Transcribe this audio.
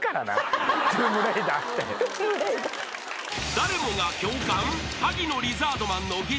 ［誰もが共感？］